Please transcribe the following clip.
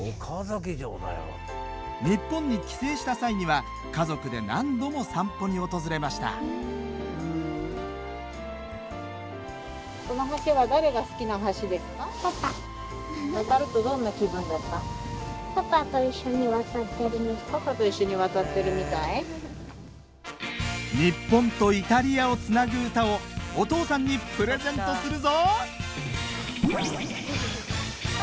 日本に帰省した際には家族で何度も散歩に訪れました日本とイタリアをつなぐ歌をお父さんにプレゼントするぞ！